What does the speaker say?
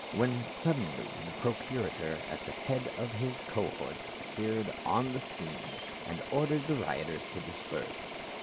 When suddenly the procurator at the head of his cohorts ap peared on the scene and ordered the rioters to disperse.